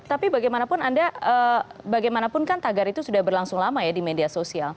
tapi bagaimanapun anda bagaimanapun kan tagar itu sudah berlangsung lama ya di media sosial